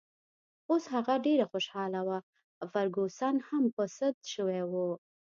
اوس هغه ډېره خوشحاله وه او فرګوسن هم په سد شوې وه.